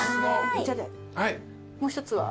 もう一つは？